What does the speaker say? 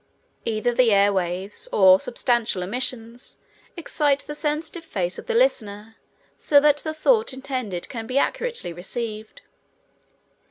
Either the air waves, or substantial emissions, excite the sensitive face of the listener so that the thought intended can be accurately received.